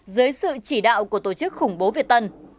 dưới sự chỉ đạo của tổ chức khủng bố việt tân